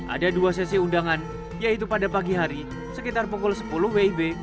ada dua sesi undangan yaitu pada pagi hari sekitar pukul sepuluh wib